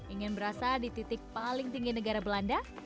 ingin berasa di titik paling tinggi negara belanda